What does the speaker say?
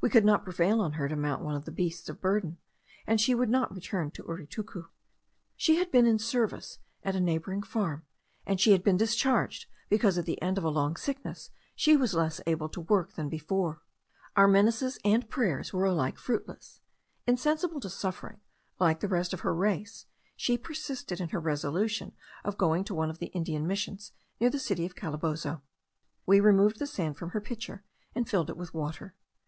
We could not prevail on her to mount one of our beasts of burden, and she would not return to Uritucu. She had been in service at a neighbouring farm; and she had been discharged, because at the end of a long sickness she was less able to work than before. Our menaces and prayers were alike fruitless; insensible to suffering, like the rest of her race, she persisted in her resolution of going to one of the Indian Missions near the city of Calabozo. We removed the sand from her pitcher, and filled it with water.